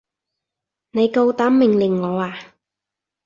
你夠膽命令我啊？